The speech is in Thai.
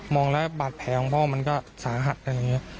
แล้วบาดแผลของพ่อมันก็สาหัสอะไรอย่างนี้